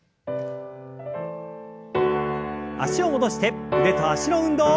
脚を戻して腕と脚の運動。